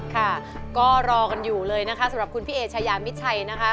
ค่ะก็รอกันอยู่เลยนะคะสำหรับคุณพี่เอชายามิดชัยนะคะ